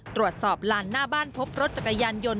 ตรวจสอบหลานหน้าบ้านพบรถจักรยานยนต์